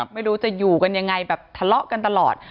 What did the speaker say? ไม่รู้จะอยู่กันยังไงแบบทะเลาะกันตลอด